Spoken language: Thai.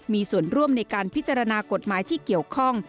มีส่วนร่วมในการพิจารณากฎหมายที่เกี่ยวข้อง